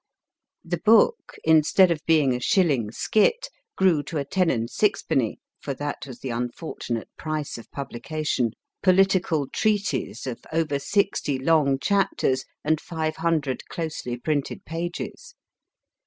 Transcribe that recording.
The book, instead of being a shilling skit, grew to a ten and sixpenny (for that was the unfortunate price of publication) political treatise of over sixty long chapters and 500 closely printed pages.